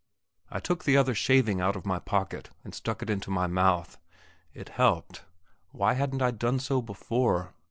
I took the other shaving out of my pocket and stuck it into my mouth. It helped. Why hadn't I done so before?